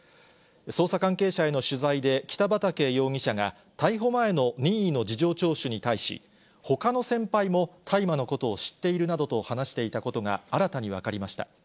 捜査関係者への取材で北畠容疑者が逮捕前の任意の事情聴取に対し、ほかの先輩も大麻のことを知っているなどと話していたことが新たに分かりました。